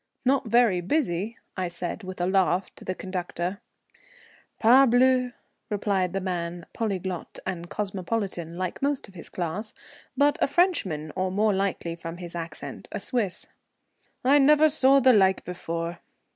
"Not very busy?" I said, with a laugh to the conductor. "Parbleu," replied the man, polyglot and cosmopolitan, like most of his class, but a Frenchman, or, more likely from his accent, a Swiss. "I never saw the like before."